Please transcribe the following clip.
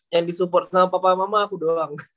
yang disupport sama papa mama aku doang